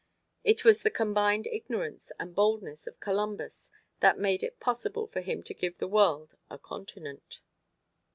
It was the combined ignorance and boldness of Columbus that made it possible for him to give the world a continent.